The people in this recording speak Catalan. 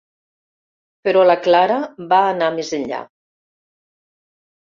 Però la Clara va anar més enllà.